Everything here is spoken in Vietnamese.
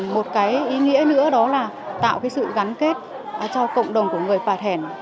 một ý nghĩa nữa đó là tạo sự gắn kết cho cộng đồng của người bà thẻn